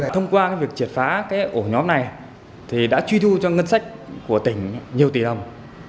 thông qua việc triệt phá ổ nhóm này đã truy thu cho ngân sách của tỉnh nhiều tỷ đồng